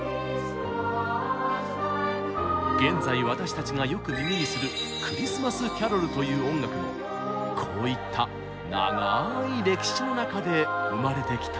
現在私たちがよく耳にする「クリスマスキャロル」という音楽もこういった長い歴史の中で生まれてきたのです。